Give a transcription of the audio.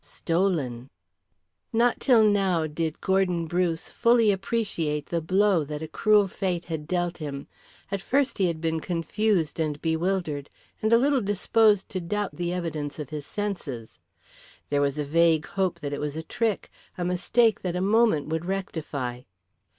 STOLEN! Not till now did Gordon Bruce fully appreciate the blow that a cruel fate had dealt him. At first he had been confused and bewildered, and a little disposed to doubt the evidence of his senses. There was a vague hope that it was a trick, a mistake that a moment would rectify.